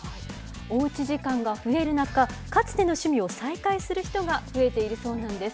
おうち時間が増える中、かつての趣味を再開する人が増えているそうなんです。